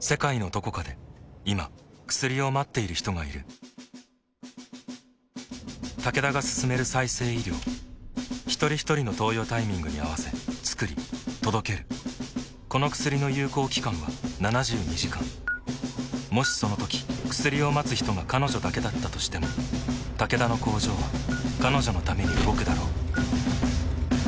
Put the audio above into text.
世界のどこかで今薬を待っている人がいるタケダが進める再生医療ひとりひとりの投与タイミングに合わせつくり届けるこの薬の有効期間は７２時間もしそのとき薬を待つ人が彼女だけだったとしてもタケダの工場は彼女のために動くだろう